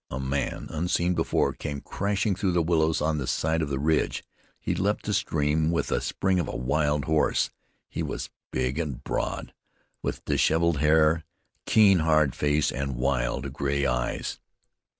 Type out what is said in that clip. A man, unseen before, came crashing through the willows on the side of the ridge. He leaped the stream with the spring of a wild horse. He was big and broad, with disheveled hair, keen, hard face, and wild, gray eyes.